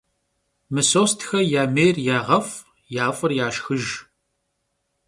Mısostxe yamêyr yağef', ya f'ır yaşşxıjj.